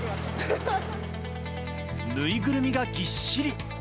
ぬいぐるみがぎっしり。